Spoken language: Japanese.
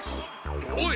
おい！